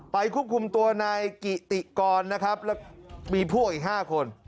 ควบคุมตัวนายกิติกรนะครับแล้วมีพวกอีก๕คน